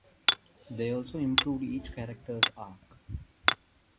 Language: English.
They also improved each character's arc.